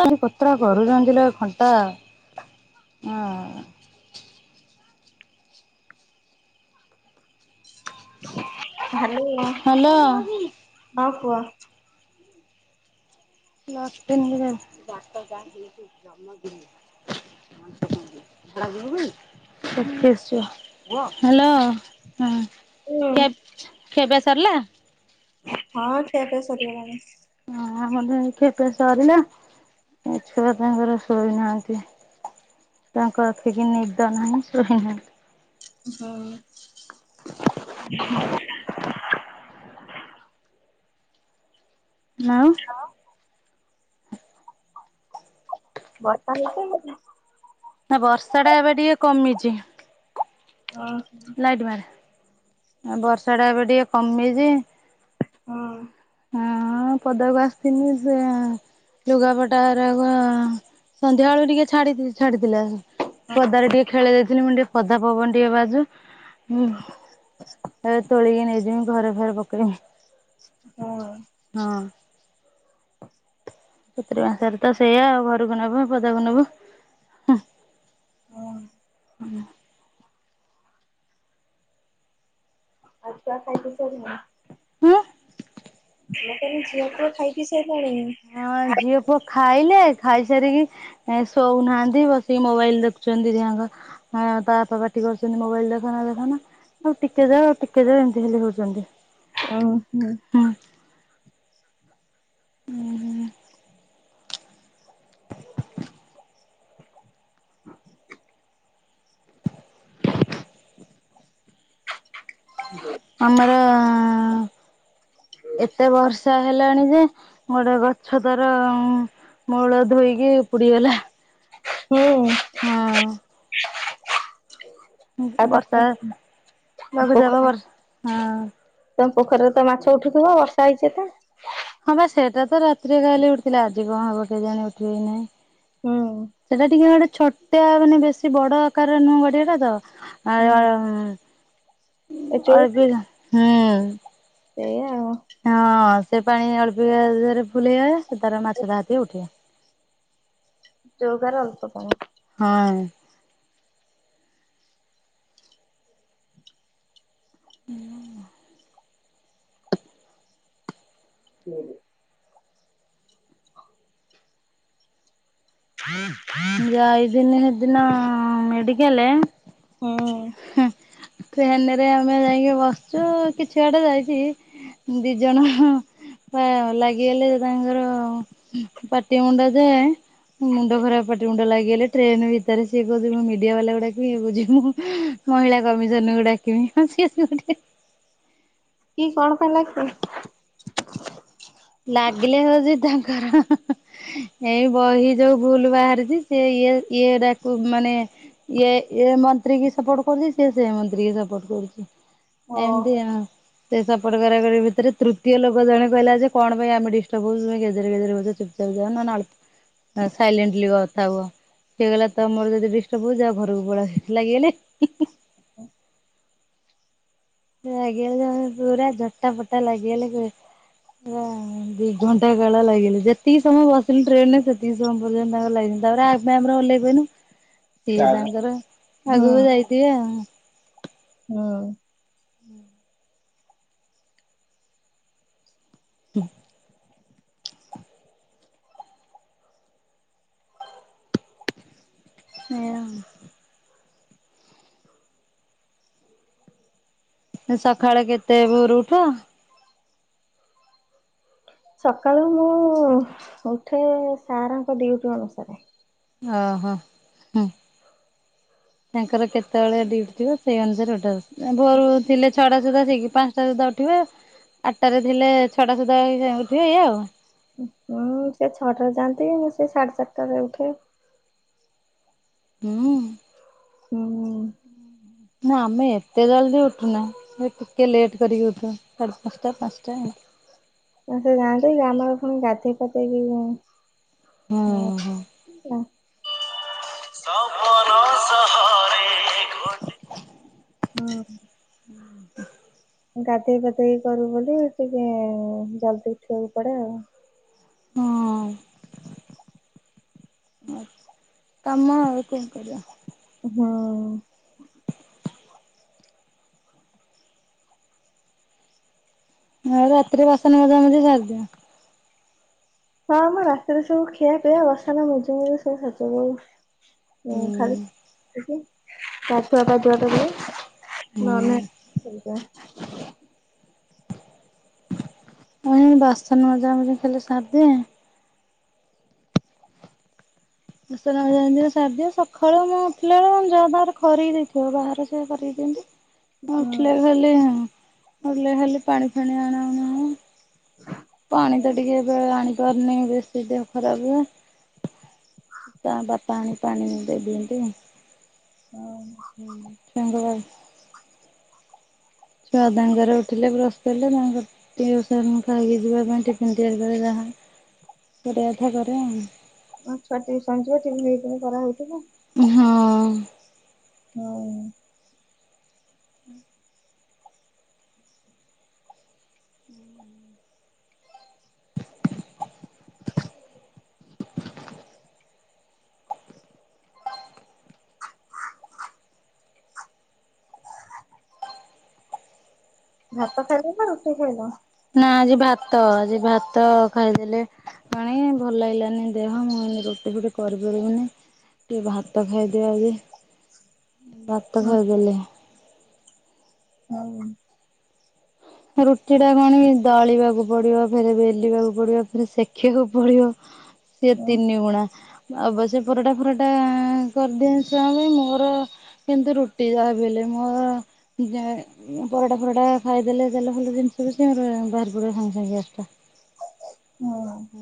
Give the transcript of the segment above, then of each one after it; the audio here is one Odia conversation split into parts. ତା ପୋତୁର କରରୁଚନ୍ତିଲୋ ଘଣ୍ଟା ଉଁ ହାଲୋ। ହାଲୋ। ହଁ କୁହ। ଲଟ୍ ପେନ୍ ରେ ହାଲୋ ହୁଁ। ହୁଁ କେବ୍ କେବେ ସରିଲା? ହଁ ସେ ଏବେ ସରିଗଲାଣି। ହ ଆମର୍ ତ ଏଇ ଖିଆପିଆ ସରିଲା। ଏ ଛୁଆ ତାଙ୍କର ଶୋଇନାହାନ୍ତି। ତାଙ୍କ ଆଖିକି ନିଦ ନାହିଁ ଶୋଇ ନାଇଁ ହଁ। ନାଓ ହଁ। ବର୍ଷା ହେଇଚି? ନାଁ ବର୍ଷା ଟା ଏବେ ଟିକେ କମିଚି। ହଁ। ଲାଇଟ୍ ମାରେ, ଆ ବର୍ଷାଟା ଏବେ ଟିକିଏ କମିଚି। ହୁଁ। ହଁ ପଦାକୁ ଆସିଥିନି ସେ ଲୁଗାପଟା ରାକ ସନ୍ଧ୍ୟା ବେଳୁ ଟିକେ ଛାଡି ଛାଡିଥିଲା ପଦାରେ ଟିକେ ଖେଳେଇଦେଇଥିଲି ମୁଁ କହିଲି ଟିକେ ପଦା ପବନ ଟିକେ ବାଜୁ, ହୁଁ ହେ ତୋଳିକି ନେଇଯିମି ଘରେ ଫେରେ ପକେଇମି। ହଁ। ହଁ। ଚତୁରୁ ମାସିଆରେ ତ ସେଇଆ ଆଉ ଘରକୁ ନେବ ପଦାକୁ ନେବ ହଁ ହଁ। ହୁଁ। ଆଉ [unintelligible] ସାରିଲେଣି। ହୁଁ। ମୁଁ କହିଲି ଝିଅ ପୁଅ ଖାଇ ପିଇ ଶୋଇଲେନି। ହଁ ଝିଅ ପୁଅ ଖାଇଲେ ଖାଇସାରିକି ଶୋଉନାହାନ୍ତି ବସିକି ମୋବାଇଲ ଦେଖୁଛନ୍ତି ଧିଆଙ୍କ। ହଁ ତା ବାପା ପାଟି କରୁଛନ୍ତି ମୋବାଇଲ ଦେଖାନା ଦେଖାନା। ଆଉ ଟିକେ ଯାଉ ଆଉ ଟିକେ ଯାଉ ଏମିତି ଖାଲି ହେଉଛନ୍ତି। ଉଁ ହୁଁ। ହୁଁ। ଉଁ ହୁଁ ଆମର ଏତେ ବର୍ଷା। ହେଲାଣି ଯେ ଗୋଟେ ଗଛ ତାର ମୂଳ ଧୋଇକି ଉପୁଡିଗଲା। ହୁଁ। ହଁ। ଆଉ ବର୍ଷା ତମ ଲଘୁଚାପ ବର୍ଷା ବହୁତ ହଁ ତମ ପୋଖରୀରେ ତ ମାଛ ଉଠୁଥିବ ବର୍ଷା ହେଇଛି ଏତେ। ହଁ ବା ସେଟା ତ ରାତିରେ କାଲି ଉଠିଥିଲା ଆଜି କଣ ହବ କେଜାଣି ଉଠିବେ କି ନାହିଁ। ହୁଁ। ସେଟା ଟିକେ ଗୋଟେ ଛୋଟିଆ ମାନେ ବେଶୀ ବଡ ଆକାର ନୁହଁ ଗଡିଆଟା ତ ଆ ହୁଁ। ଏବେ ଏ ହୁଁ। ସେୟା ଆଉ। ହଁ ସେ ପାଣି ଅଳ୍ପିକାଦେହରେ ଫୁଲ ହେଇଗଲେ ସେ ତାର ମାଛ ଯାହାଥିବ ଉଠିବ। ଚଉକାରେ ଅଳ୍ପ ପାଣି। ହଁ। ପ୍ଲେଟେ। ଯାଇଥିନି ହେଦିନ ମେଡ଼ିକାଲେ। ହଁ। ହେ ଟ୍ରେନରେ ଆମେ ଯାଇକି ବସିଛୁ କିଛି ବାଟ ଯାଇଛି। ଦି ଜଣ ହ। ହଁ ଲାଗିଗଲେ ତାଙ୍କର ପାଟି ମୁଣ୍ଡ ଯେ ମୁଣ୍ଡ ଖରାପ କ ପାଟି ମୁଣ୍ଡ ଲାଗିଗଲେ ଟ୍ରେନ୍ ଭିତରେ ସିଏ କହୁଛି ମୁଁ ମିଡିଆ ବାଲା କୁ ଡାକିବି ଇଏ କୋହୁଛି ମୁଁ ମହିଳା କମିଶନ କୁ ଡାକିମି। କିଏ କଣ କଲାକି? ଲାଗିଲେ ହଉଛି ତାଙ୍କର। ଏଇ ବହି ଯୋଉ ଭୁଲ ବାହାରିଚି ସେ ଇଏ ଇଏଡାକୁ ମାନେ ଇଏ ଏ ମନ୍ତ୍ରୀ କି ସପୋର୍ଟ କରୁଛି, ସେ ସେ ମନ୍ତ୍ରୀ କି ସପୋର୍ଟ କରୁଛି। ଓ ଏମତି ହଁ ସେ ସପୋର୍ଟ କରାକରି ଭିତରେ ତୃତୀୟ ଲୋକ ଜଣେ କହିଲା ଯେ କଣ ପାଇଁ ଆମେ ଡିଷ୍ଟର୍ବ ହଉଛୁ ତୁମେ ଗେଜେରେ ଗେଜେରେ ହଉଛ ଚୁପ୍ ଚାପ୍ ଯାଅ [unintelligible] ହଁ ସାଇଲେଣ୍ଟଲି କଥା ହୁଅ। ସେ କହିଲା ତମର ଯଦି ଡିଷ୍ଟର୍ବ ହଉଛି ଯାଅ ଘରକୁ ପଳାଅ ଲାଗିଗଲେ। ଲାଗିଗଲେ ପୁରା ଝଟା ପଟା ଲାଗିଗଲେ। ହୁଁ ଦି ଘଣ୍ଟା କାଳ ଲାଗିଲେ ଯେତିକି ସମୟ ବସିଲୁ ଟ୍ରେନରେ ସେତିକି ସେତେବେଳ ପର୍ଯ୍ୟନ୍ତ ତାଙ୍କର ଲାଗିଛନ୍ତି ତାପରେ ଆମେ ଆମର ଓହ୍ଲେଇ ପଇଲୁ। ସିଏ ତାଙ୍କର ହୁଁ ଆଗକୁ ଯାଇଥିବେ ଆଉ। [unintelligible] [inaudible] ହୁଁ। ହଁ। ସକାଳେ କେତେ ଭୋରୁ ଉଠ? ସକାଳୁ ମୁଁ ଉଠେ ସାରଙ୍କ ଡ୍ୟୁଟି ଅନୁସାରେ। ଓ ହୋ ହୁଁ। ତାଙ୍କର କେତେବେଳେ ଡ୍ୟୁଟି ଥିବ ସେଇ ଅନୁସାରେ ଉଠୁ ଭୋରୁ ଥିଲେ ଛଅଟା ସୁଦ୍ଧା ଶୀଘ୍ର ପାଞ୍ଚଟା ସୁଧା ଉଠିବେ ଆଠଟାରେ ଥିଲେ ଛଅଟା ସୁଦ୍ଧା ଉଠିବେ ଏଇଆ ଆଉ। ହୁଁ ସେ ଛଅଟାରେ ଯାଆନ୍ତି ମୁଁ ସେ ସାଢେ ସାତଟାରେ ଉଠେ। ହୁଁ। ଉଁ। ନା ଆମେ ଏତେ ଜଲଦି ଉଠୁନା। [unintelligible] ଟିକେ ଲେଟ୍ କରିକି ଉଠୁ ସାଢେ ପାଞ୍ଚଟା ପାଞ୍ଚଟା। ତ ସେ ଯାଆନ୍ତି ଆମର ପୁଣି ଗାଧେଇ ଫାଧେଇକି [unintelligible] ହୁଁ ଉଁ ସପନ ସହରେ ଗୋ ହଁ। [inaudible] ମୁଁ ଗାଧେଇ ଫାଧେଇ କରୁ ବୋଲି ଟିକେ ଜଲଦି ଉଠିବାକୁ ପଡ଼େ ଆଉ। ହଁ। କାମ ଆଉ କଣ କରିବା ହଁ। ନାଇ ରାତିରେ ବାସନ ମଜାମଜି ସାରିଦିଏ। ହଁ ଆମ ରାତିରେ ସବୁ ଖିଆପିଆ ବାସନ ମଜାମଜି ସବୁ ସାରି। [unintelligible] ମୁଁ ହୁଁ ଖାଲି ଗଧୁଆ ପାଧୁଆ [unintelligible] ନହେଲେ ହୁଁ। [unintelligible] ମୁଁ ଏଇ ବାସନ ମାଜାମଜି ଖାଲି ସାରିଦିଏ। ବାସନ ମଜାମଜି ସାରିଦିଏ ସକାଳୁ ମୁଁ ଉଠିଲା ବେଳକୁ ଯାଆ [unintelligible] ଖରିକି ଦେଇଥିବ ବାହାର ସେ କରେଇ ଦିଅନ୍ତି। ଉଠିଲେ ଖାଲି ହଁ ଉଠିଲେ ଖାଲି ପାଣି ଫାଣି ଆଣା ଉଣି ହବ। [unintelligible] ପାଣି ତ ଟିକେ ଏବେ ଆଣିପାରୁନି ବେଶୀ ଦେହ ଖରାପ ହୁଏ। ତା ବାପା ପାଣି ପାଣି [unintelligible] ଦିଅନ୍ତି। ହଁ। [unintelligible] ଛୁଆ ତାଙ୍କର ଉଠିଲେ ବ୍ର ହେଲେ ତାଙ୍କ ଟିୟୁସନ ଖାଇକି ଯିବା ପାଇଁ ଟିଫିନ୍ ତିଆରି କରେ ଯାହା କରିବା କଥା କରେ ଆଉ। ଆ ଛୁଆ ଟ୍ୟୁସନ୍ ଯିବେ ଟିଫିନ୍ ପିଫିନ୍ କରାହଉଥିବ। ହଁ। ହୁଁ। ଭାତ ଖାଇଲେ ନା ରୁଟି ଖାଇଲ? ନା ଆଜି ଭାତ ଆଜି ଭାତ ଖାଇଦେଲେ ପାଣି ଭଲ ଲାଗିଲାନି ଦେହ, ମୁଁ ଏ ରୋଟି ଫୁଟି କରିପାରିବିନି ଟିକେ ଭାତ ଖାଇଦବା ଆଜି। ଭାତ ହୁଁ। ଖାଇଦେଲେ। ହଉ। ରୁଟି ଟା କୁ ଆଣି ଦଳିବାକୁ ପଡିବ, ଫେରେ ବେଲିବାକୁ ପଡିବ, ଫେରେ ସେଖିବାକୁ ପଡିବ ସେ ହୁଁ ତିନିି ଗୁଣା। ଅବଶ୍ୟ ପରଟା ଫରଟା କରିଦିଅନ୍ତି ଛୁଆ ଙ୍କ ପାଇଁ ମୋର କିନ୍ତୁ ରୁଟି ଯାହାବି ହେଲେ ମୋ ପରଟା ଫରଟା ଖାଇଦେଲେ [unintelligible] ଭଲ ଜିନିଷ କିଛି ମୋର ବାହାରି ପଡିବ ସଙ୍ଗେ ସଙ୍ଗେ ଗ୍ୟାସ୍ ଟା। ହୁଁ। ହୁଁ।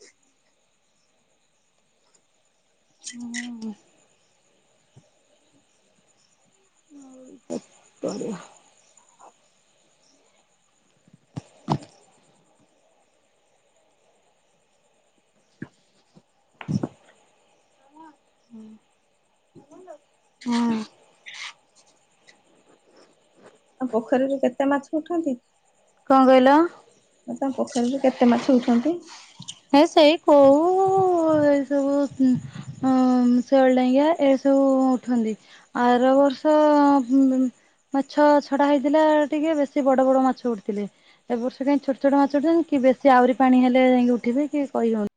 ହ [inaudible] ହୁଁ। ଆଉ [unintelligible] ହଉ [unintelligible] ହୁଁ। ଆଉ ପୋଖରୀରେ କେତେ ମାଛ ଉଠନ୍ତି? କଣ କହିଲ? ତାଙ୍କ ପୋଖରୀରୁ କେତେ ମାଛ ଉଠନ୍ତି। ହେ ସେଇ କଉ ଏ ଶେଉଳ ଟାଙ୍ଗିଆ ଏସବୁ ଉଠନ୍ତି। ଆର ବର୍ଷ ମାଛ ଛଡା ହେଇଥିଲା ଟିକେ ବେଶୀ ବଡ ବଡ ମାଛ ଉଠିଥିଲେ। ଏ ବର୍ଷ କାଇଁ ଛୋଟ ଛୋଟ ମାଛ ଉଠଲେଣି କି ବେଶୀ ଆହୁରି ପାଣି ହେଲେ ଯାଇକି ଉଠିବେ କି କହି ହଉନି।